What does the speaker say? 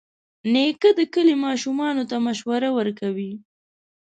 نیکه د کلي ماشومانو ته مشوره ورکوي.